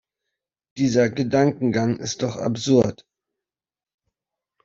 Dieser Gedankengang ist doch absurd.